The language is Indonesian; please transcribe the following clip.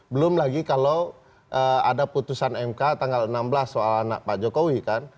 belum lagi kalau ada putusan mk tanggal enam belas soal anak pak jokowi kan